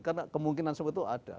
karena kemungkinan seperti itu ada